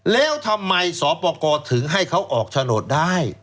แล้วทำไมสปกรถึงให้เขาออกโฉนดได้